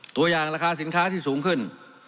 ตัวอย่างราคาสินค้าที่สูงขึ้น